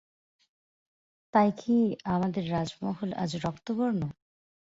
তাই কি আমাদের রাজমহল আজ রক্তবর্ণ?